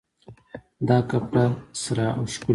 دا کپړه سره او ښکلې ده